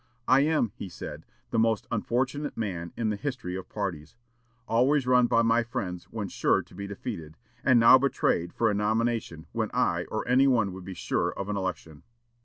"I am," he said, "the most unfortunate man in the history of parties: always run by my friends when sure to be defeated, and now betrayed for a nomination when I or any one would be sure of an election."